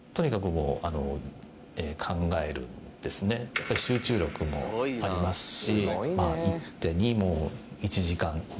やっぱり、集中力もありますし。